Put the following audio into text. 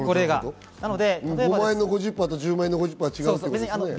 ５万の５０％と１０万の５０％は違うってことね。